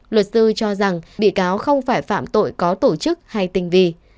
luật sư cho rằng bị cáo không phải phạm tội có tổ chức hay tình vi